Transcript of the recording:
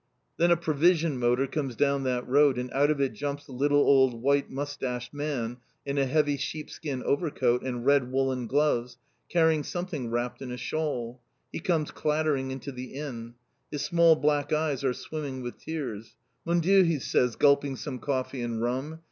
Then a Provision "Motor" comes down that road, and out of it jumps a little, old, white moustached man in a heavy sheepskin overcoat and red woollen gloves, carrying something wrapped in a shawl. He comes clattering into the Inn. His small black eyes are swimming with tears. "Mon Dieu!" he says, gulping some coffee and rum.